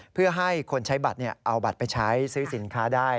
เพื่อให้คนใช้บัตรเอาบัตรไปใช้ซื้อสินค้าได้